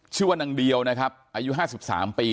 ชื่อว่านางเดียวนะครับอายุ๕๓ปี